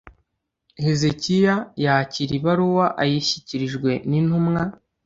Hezekiya yakira ibaruwa ayishyikirijwe n’intumwa,